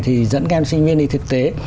thì dẫn các em sinh viên đi thực tế